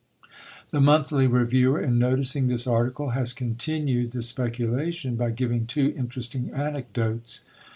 The "Monthly Reviewer," in noticing this article, has continued the speculation by giving two interesting anecdotes.